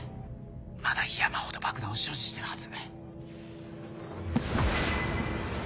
まだ山ほど爆弾を所持してるはず。